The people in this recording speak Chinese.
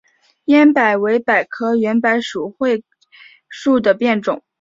偃柏为柏科圆柏属桧树的变种。